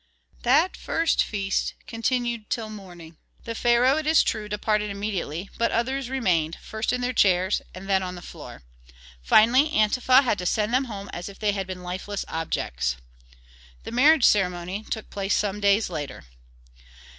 That first feast continued till morning. The pharaoh, it is true, departed immediately, but others remained, first in their chairs and then on the floor. Finally Antefa had to send them home as if they had been lifeless objects. The marriage ceremony took place some days later.